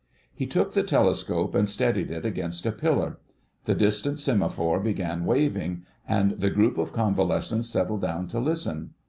He took the telescope and steadied it against a pillar. The distant semaphore began waving, and the group of convalescents settled down to listen.